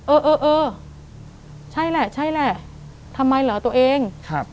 เออใช่แหละทำไมหรอตัวเอง